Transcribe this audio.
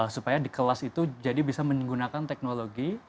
supaya di kelas itu jadi bisa menggunakan teknologi